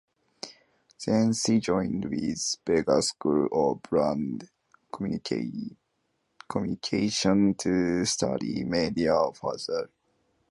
Then she joined with Vega School of Brand Communication to study media further.